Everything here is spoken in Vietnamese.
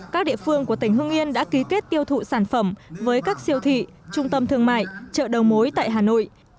các địa phương của tỉnh hưng yên đã ký kết tiêu thụ sản phẩm với các siêu thị trung tâm thương mại chợ đầu mối tại hà nội